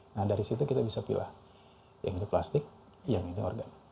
nah dari situ kita bisa pilih yang itu plastik yang itu organik